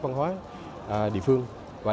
văn hóa địa phương